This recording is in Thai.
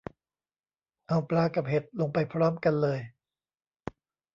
เอาปลากับเห็ดลงไปพร้อมกันเลย